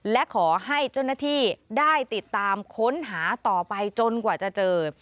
และขอให้เจ้าหน้าที่ได้ติดตามค้นหาต่อไปจนกว่าจะเจอ